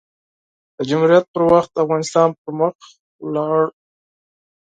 د جمهوریت پر مهال؛ افغانستان پر مخ ولاړ.